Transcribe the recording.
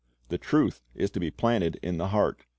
The truth is to be planted in the heart.